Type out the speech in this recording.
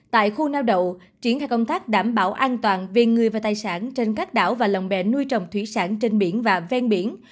tại khu neo đậu triển khai công tác đảm bảo an toàn về người và tài sản trên các đảo và lồng bè nuôi trồng thủy sản trên biển và ven biển